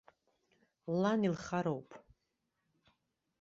Лан илхароуп.